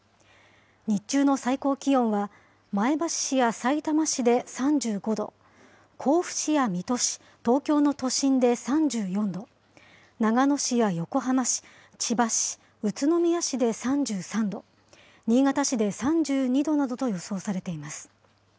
日中の最高気温は、前橋市やさいたま市で３５度、甲府市や水戸市、東京の都心で３４度、長野市や横浜市、千葉市、宇都宮市で３３度、新潟市で３２度などと予想されています。